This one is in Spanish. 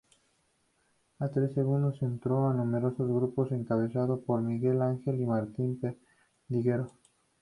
A tres segundos entró un numeroso grupo encabezado por Miguel Ángel Martín Perdiguero.